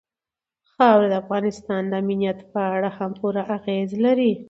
خاوره د افغانستان د امنیت په اړه هم پوره اغېز لري.